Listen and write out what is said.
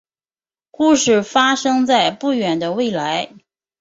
故事发生在不远的未来。